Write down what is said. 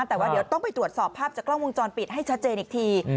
แต่ว่าเดี๋ยวต้องไปตรวจสอบภาพจากกล้องวงจรปิดให้ชัดเจนอีกที